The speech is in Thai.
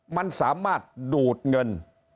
มันสามารถดูดเงิน